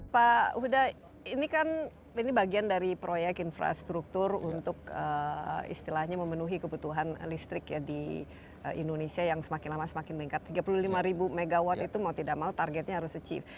pak huda ini kan ini bagian dari proyek infrastruktur untuk istilahnya memenuhi kebutuhan listrik ya di indonesia yang semakin lama semakin meningkat tiga puluh lima ribu megawatt itu mau tidak mau targetnya harus achieve